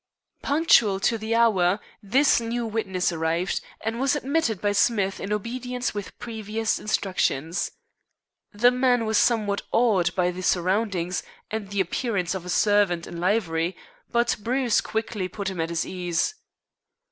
Punctual to the hour, this new witness arrived, and was admitted by Smith in obedience with previous instructions. The man was somewhat awed by the surroundings and the appearance of a servant in livery, but Bruce quickly put him at his ease.